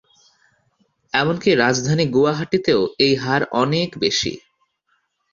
এমনকি রাজধানী গুয়াহাটিতেও এই হার অনেক বেশি।